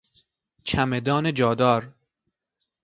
چمدان جادار